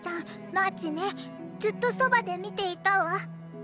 マーチねずっとそばで見ていたわ。